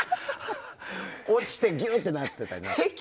落ちてギューってなってたり。